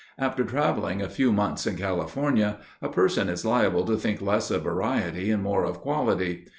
After traveling a few months in California, a person is liable to think less of variety and more of quality.